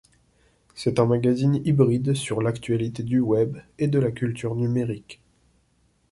C'est un magazine hybride sur l'actualité du web et de la culture numérique.